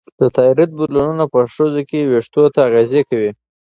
د تایروییډ بدلونونه په ښځو کې وېښتو ته اغېزه کوي.